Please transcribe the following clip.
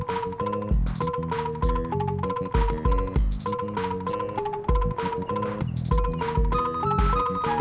ayo mau berlangit sama aku